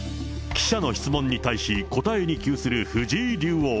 記者の質問に対し、答えに窮する藤井竜王。